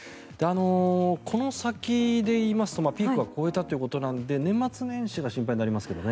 この先で言いますとピークは越えたということなので年末年始が心配ですね。